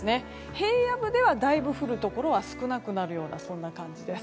平野部では、だいぶ降るところは少なくなるようなそんな感じです。